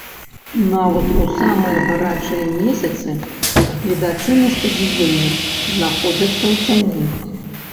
Нават у самыя гарачыя месяцы гледачы на стадыёне знаходзяцца ў цяні.